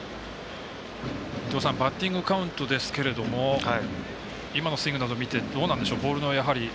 バッティングカウントですが今のスイングなど見てどうなんでしょう。